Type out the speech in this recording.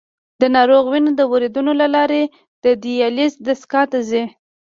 د ناروغ وینه د وریدونو له لارې د دیالیز دستګاه ته ځي.